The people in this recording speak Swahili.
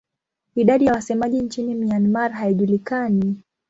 Idadi ya wasemaji nchini Myanmar haijulikani.